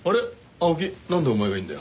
青木なんでお前がいるんだよ。